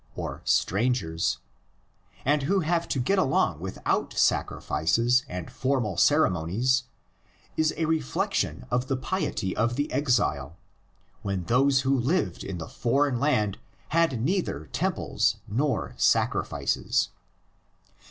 (strangers), and who have to get along without sacrifices and formal ceremonies, is a reflexion of the piety of the exile, when those who lived in the foreign land had neither temples nor sacrifices.